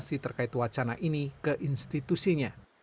informasi terkait wacana ini ke institusinya